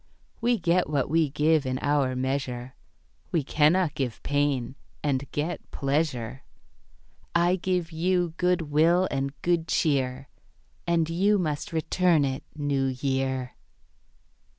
We get what we give in our measure, We cannot give pain and get pleasure; I give you good will and good cheer, And you must return it, New Year.